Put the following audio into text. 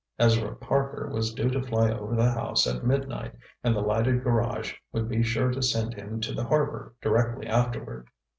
Ezra Parker was due to fly over the house at midnight and the lighted garage would be sure to send him to the harbor directly afterward.